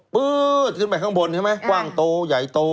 ปุ๊ตขึ้นไปข้างบนคว่างโตใหญ่โต